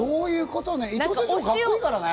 伊東選手もカッコいいからね。